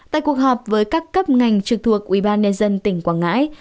tại cuộc họp với các cấp ngành trực thuộc ubnd tỉnh quảng ngãi